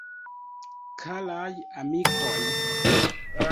Karaj amikoj!